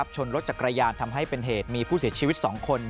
ชนรถจักรยานทำให้เป็นเหตุมีผู้เสียชีวิต๒คน